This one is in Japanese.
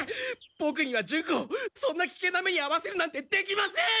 ボクにはジュンコをそんな危険な目にあわせるなんてできません！